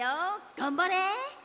がんばれ！